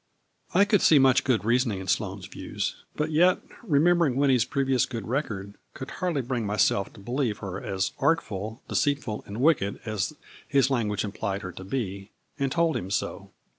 I could see much good reasoning in Sloane's views, but yet, remembering Winnie's previous good record, could hardly bring myself to believe her as artful, deceitful and wicked as his language implied her to be, and told him so.